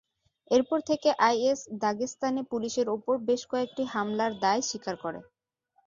এরপর থেকে আইএস দাগেস্তানে পুলিশের ওপর বেশ কয়েকটি হামলার দায় স্বীকার করে।